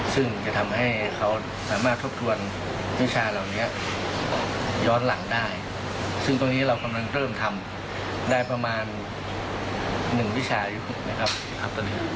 ซึ่งจะทำให้เขาสามารถทบทวนวิชาเหล่านี้ย้อนหลังได้ซึ่งตรงนี้เรากำลังเริ่มทำได้ประมาณ๑วิชายุปนะครับครับตอนนี้